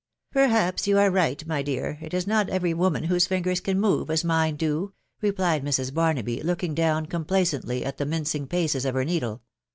" Perhaps you arc right, my dear, .... it is not every woman whose fingers can move as mine do," replied Mrs. Barnaby, looking down complacently at the mincing paces of her needle